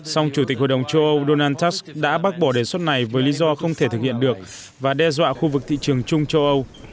song chủ tịch hội đồng châu âu donald trump đã bác bỏ đề xuất này với lý do không thể thực hiện được và đe dọa khu vực thị trường chung châu âu